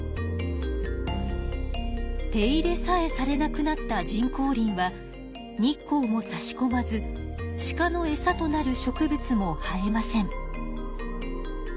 手入れさえされなくなった人工林は日光もさしこまずシカのエサとなる植物も生えません。